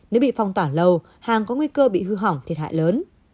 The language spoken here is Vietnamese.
nếu bị phong tỏa lầu hàng có nguy cơ bị hư hỏng thiệt hại lớn